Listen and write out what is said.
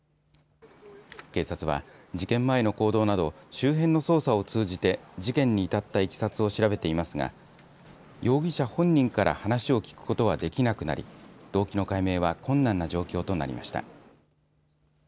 警察は、事件前の行動など周辺の捜査を通じて事件に至ったいきさつを調べていますが容疑者本人から話を聞くことはできなくなり動機の解明は困難な状況となりました。